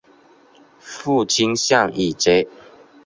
父亲向以节。